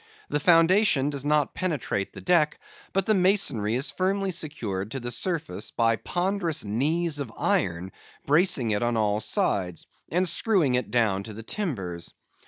The foundation does not penetrate the deck, but the masonry is firmly secured to the surface by ponderous knees of iron bracing it on all sides, and screwing it down to the timbers.